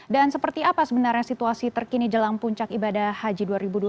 dan seperti apa sebenarnya situasi terkini jelang puncak ibadah haji dua ribu dua puluh dua